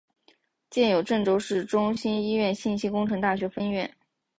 建有郑州市中心医院信息工程大学分院。